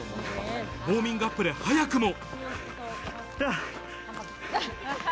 ウオーミングアップで早くも。